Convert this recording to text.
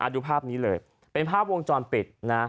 ดูภาพนี้เลยเป็นภาพวงจรปิดนะ